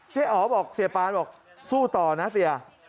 อ๋อบอกเสียปานบอกสู้ต่อนะเสีย